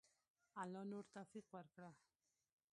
الله نور توفیق ورکړه.